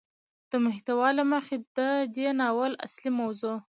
د محتوا له مخې ده دې ناول اصلي موضوع